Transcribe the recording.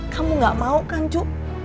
kamu gak mau kan juk